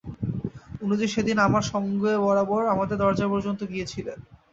উনি যে সেদিন আমার সঙ্গে বরাবর আমাদের দরজা পর্যন্ত গিয়েছিলেন।